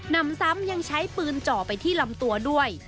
นำซ้ำยังใช้ปืนจ่อไปที่ลำตัวด้วย